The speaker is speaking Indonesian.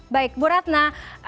baik bu ratna